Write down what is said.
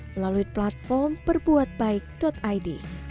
melalui platform perbuatbaik id